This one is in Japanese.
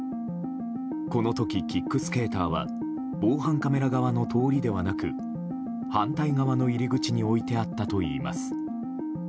この時、キックスケーターは防犯カメラ側の通りではなく反対側の入り口に置いてあったといいます。